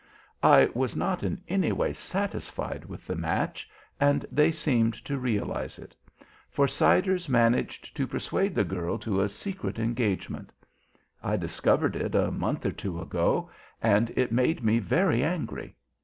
"I was not in any way satisfied with the match, and they seemed to realise it. For Siders managed to persuade the girl to a secret engagement. I discovered it a month or two ago, and it made me very angry.